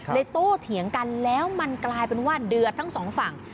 โตเถียงกันแล้วมันกลายเป็นว่าเดือดทั้งสองฝั่ง